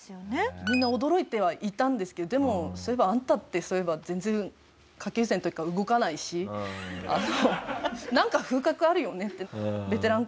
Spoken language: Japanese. みんな驚いてはいたんですけどでもそういえばあんたって全然下級生の時から動かないしなんか風格あるよねってベテラン感というか。